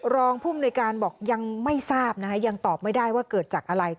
รองภูมิในการบอกยังไม่ทราบนะคะยังตอบไม่ได้ว่าเกิดจากอะไร